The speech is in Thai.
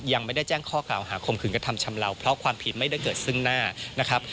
ยังไม่ได้แจ้งข้อกล่าวหาคมคืนกระทำชำเลาเพราะความผิดไม่ได้เกิดซึ่งหน้านะครับ